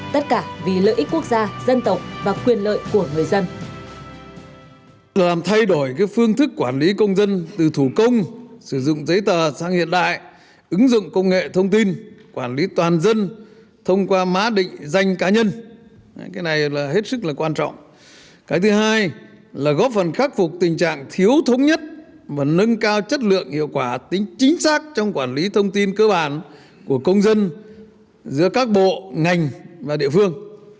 tất cả vì lợi ích quốc gia dân tộc và quyền lợi của người dân